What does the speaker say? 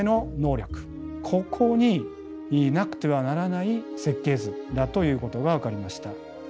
ここになくてはならない設計図だということが分かりました。